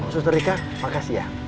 suster rika makasih ya